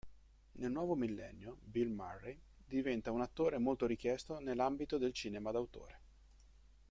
Nel nuovo millennio Bill Murray diventa un attore molto richiesto nell'ambito del cinema d'autore.